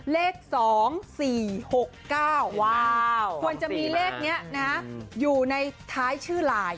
เลข๒๔๖๙ว้าวควรจะมีเลขนี้อยู่ในท้ายชื่อไลน์